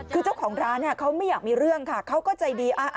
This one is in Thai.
คือเจ้าของร้านเขาไม่อยากมีเรื่องค่ะเขาก็ใจดี